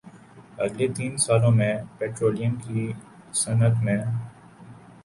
اگلے تین سالوں میں پٹرولیم کی صنعت میں